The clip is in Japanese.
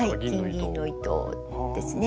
金銀の糸ですね。